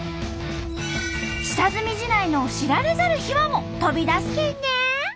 下積み時代の知られざる秘話も飛び出すけんね！